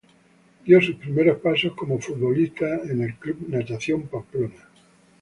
Dio sus primeros pasos como futbolista en el Club Natación Pamplona.